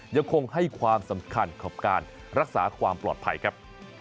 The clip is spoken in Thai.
ยังคงให้ความสำคัญกับการรักษาความปลอดภัยครับ